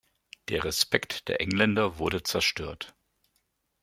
Der Respekt der Engländer wurde zerstört.